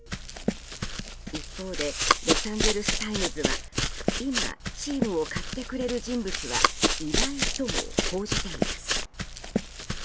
一方でロサンゼルス・タイムズは今、チームを買ってくれる人物はいないとも報じています。